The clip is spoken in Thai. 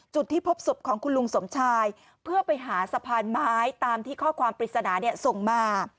จุดที่พบศพของคุณลุงสมชายเพื่อไปหาสะพานไม้ตามที่ข้อความปริศนาส่งมา